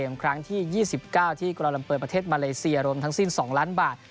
ครั้งที่๒๙ที่กราลัมเปอร์ประเทศมาเลเซียรวมทั้งสิ้น๒ล้านบาท